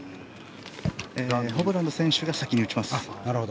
ホブラン選手が先に打ちます。